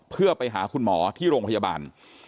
เพื่อไปหาคุณหมอที่โรงพยาบาล